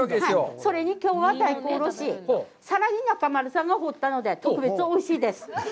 それにきょうは大根おろし、さらに中丸さんが掘ったので、特別おいしいです。